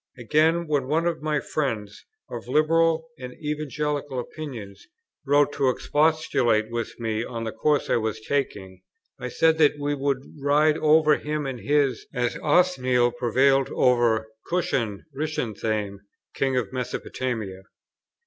Again, when one of my friends, of liberal and evangelical opinions, wrote to expostulate with me on the course I was taking, I said that we would ride over him and his, as Othniel prevailed over Chushan rishathaim, king of Mesopotamia.